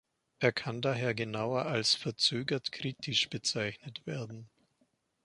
Er kann daher genauer als "verzögert kritisch" bezeichnet werden.